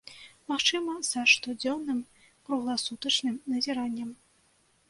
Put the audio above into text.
Магчыма, са штодзённым кругласутачным назіраннем.